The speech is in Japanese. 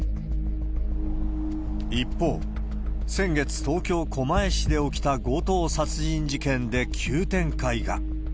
一方、先月、東京・狛江市で起きた強盗殺人事件で急展開が。